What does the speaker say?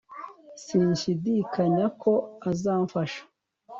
sinshidikanya ko azamfasha